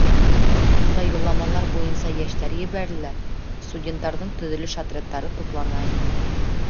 Унда юлламалар буйынса йәштәр ебәрелә, студенттарҙың төҙөлөш отрядтары туплана ине.